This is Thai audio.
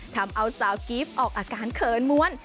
ทำเอาสาวกิฟต์ออกอาการเขินม้วน